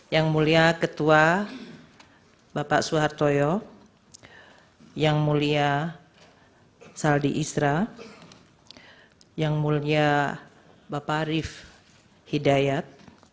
yang mulia ketua bapak suhartoyo yang mulia saldi isra yang mulia bapak arief hidayat